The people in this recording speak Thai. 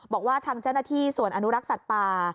บอกว่าทางเจ้าหน้าที่ส่วนอนุรักษ์สัตว์ป่า